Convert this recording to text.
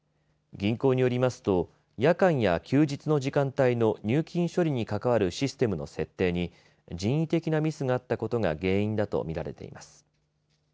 銀行によりますと夜間や休日の時間帯の入金処理に関わるシステムの設定に人為的なミスがあったことが原因だとみられています。